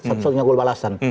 satu satunya gol balasan